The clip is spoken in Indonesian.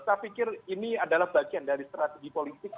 saya pikir ini adalah bagian dari strategi politik